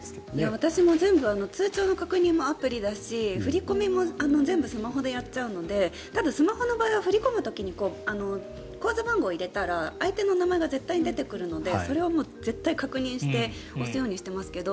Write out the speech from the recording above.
私も全部通帳の確認もアプリだし振り込みも全部スマホでやっちゃうのでスマホの場合は振り込みの時口座番号を入れたら相手の名前が出てくるのでそれを絶対確認して押すようにしていますけど。